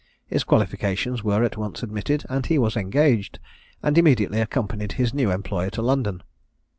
His qualifications were at once admitted, and he was engaged, and immediately accompanied his new employer to London.